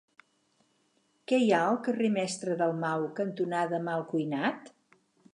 Què hi ha al carrer Mestre Dalmau cantonada Malcuinat?